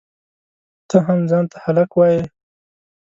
ته هم ځان ته هلک وایئ؟!